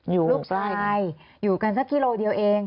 ลูกชายอยู่กันสักกิโลเดียวเอง